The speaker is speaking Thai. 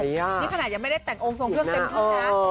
นี่ขนาดยังไม่ได้แต่งองค์ทรงเครื่องเต็มทุ่งนะ